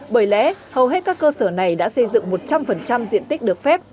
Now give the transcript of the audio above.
bởi lẽ hầu hết các cơ sở này đã xây dựng một trăm linh diện tích được phép